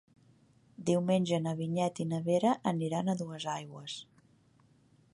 Diumenge na Vinyet i na Vera aniran a Duesaigües.